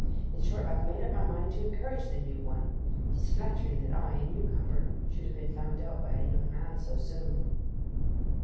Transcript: In short, I've made up my mind to encourage the new one. 'Tis flattering that I, a new comer, should have been found out by a young man so soon.